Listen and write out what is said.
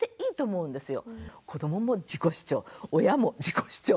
子どもも自己主張親も自己主張。